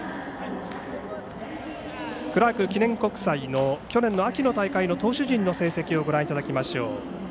クラーク記念国際の去年の秋の大会の投手陣の成績をご覧いただきましょう。